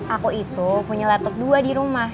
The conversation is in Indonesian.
aku itu punya latup dua di rumah